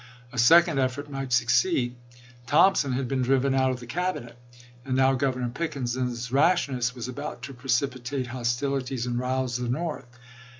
A second effort might succeed. Thompson had been driven out of the Cabinet. And now Governor Pickens's rashness was about to precipitate hostili ties and rouse the North.